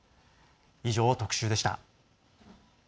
以上、特集でした。